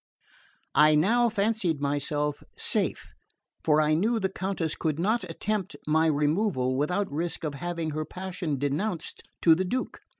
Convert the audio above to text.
I now fancied myself safe; for I knew the Countess could not attempt my removal without risk of having her passion denounced to the Duke.